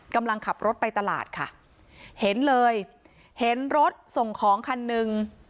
กำลังขับรถไปตลาดค่ะเห็นเลยเห็นรถส่งของคันหนึ่ง